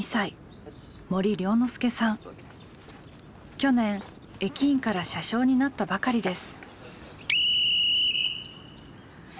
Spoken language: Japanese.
去年駅員から車掌になったばかりです。